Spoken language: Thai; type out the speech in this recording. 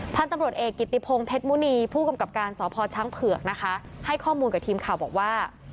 ท่านตำรวจเอกกิตติพงศ์เพชรมูนีผู้กำกับการสพชเผือกให้ข้อมูลกับทีมข่าวบอกว่า